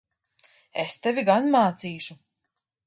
Es tevi gan mācīšu!